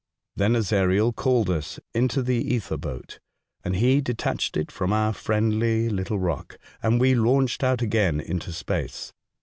Then Ezariel called us into the ether boat, and he detached it from our friendly little rock, and we launched out again into space.